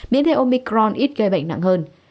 biến thể omicron ít gây bệnh nặng hơn